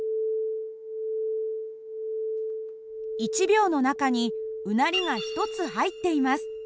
１秒の中にうなりが１つ入っています。